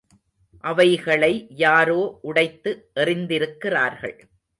அவைகளை யாரோ உடைத்து எறிந்திருக்கிறார்கள்.